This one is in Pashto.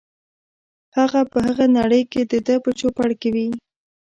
هغه په هغه نړۍ کې دده په چوپړ کې وي.